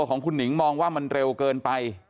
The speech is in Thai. ของคุณหนิงมองว่ามันเร็วเกินไป